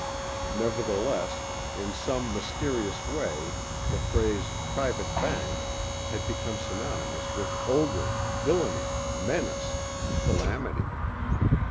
Nevertheless in some mysterious way the phrase "private bank" had become synonymous with ogre, villainy, menace, calamity.